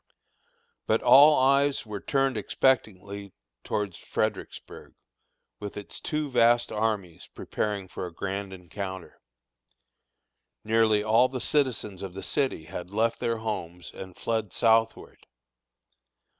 But all eyes were turned expectantly towards Fredericksburg, with its two vast armies preparing for a grand encounter. Nearly all the citizens of the city had left their homes and fled southward.